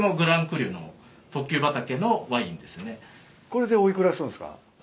これでお幾らするんすか？